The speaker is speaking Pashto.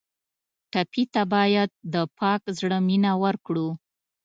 ټپي ته باید د پاک زړه مینه ورکړو.